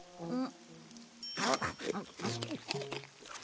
うん？